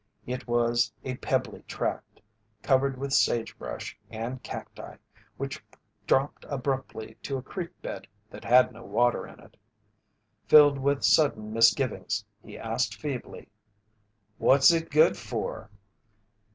It was a pebbly tract, covered with sagebrush and cacti, which dropped abruptly to a creek bed that had no water in it. Filled with sudden misgivings, he asked feebly: "What's it good for?"